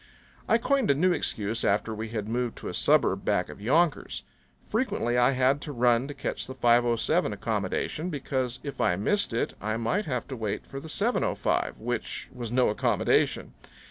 I coined a new excuse after we had moved to a suburb back of Yonkers. Frequently I had to run to catch the 5:07 accommodation, because if I missed it I might have to wait for the 7:05, which was no accommodation.